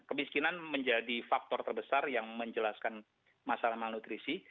kemiskinan menjadi faktor terbesar yang menjelaskan masalah malnutrisi